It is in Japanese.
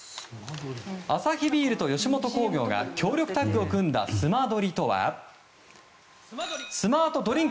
アサヒビールと吉本興業が強力タッグを組んだスマドリとはスマートドリン